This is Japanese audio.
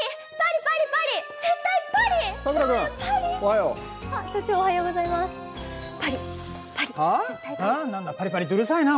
パリパリってうるさいなあ。